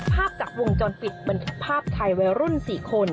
ภาพจากวงจรปิดบันทึกภาพไทยวัยรุ่น๔คน